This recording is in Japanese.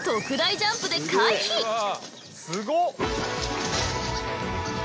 すごっ！